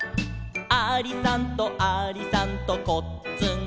「ありさんとありさんとこっつんこ」